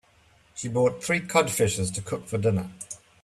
She bought three cod fishes to cook for dinner.